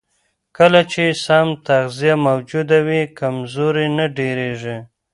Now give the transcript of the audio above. کله چې سم تغذیه موجوده وي، کمزوري نه ډېرېږي.